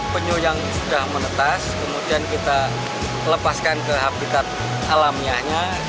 penyu yang sudah menetas kemudian kita lepaskan ke habitat alamiahnya